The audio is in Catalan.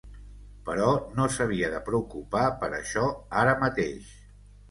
Però no s'havia de preocupar per això ara mateix.